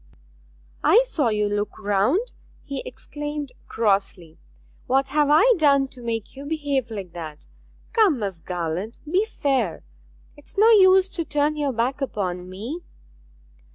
'I saw you look round!' he exclaimed crossly. 'What have I done to make you behave like that? Come, Miss Garland, be fair. 'Tis no use to turn your back upon me.'